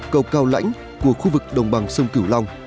cầu cao lãnh của khu vực đồng bằng sông cửu long